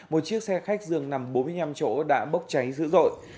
một chiếc xe khách dường nằm bốn mươi năm chỗ đã bốc cháy dữ dội